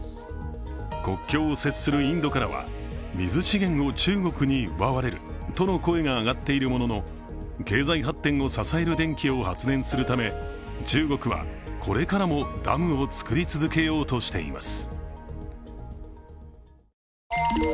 国境を接するインドからは水資源を中国に奪われるとの声が上がっているものの、経済発展を支える電気を発電するため、中国はこれからもダムを造り続けようとしています。